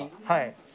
はい。